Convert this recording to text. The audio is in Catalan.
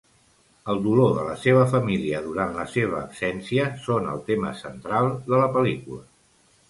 El dolor de la seva família durant la seva absència són el tema central de la pel·lícula.